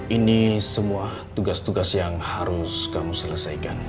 ini semua tugas tugas yang harus kamu selesaikan